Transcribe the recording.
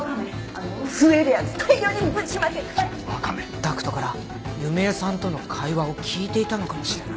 ダクトから弓江さんとの会話を聞いていたのかもしれない。